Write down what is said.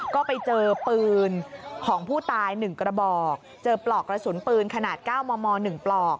ก็ไปเจอปืนของผู้ตาย๑กระบอกเจอปลอกกระสุนปืนขนาด๙มม๑ปลอก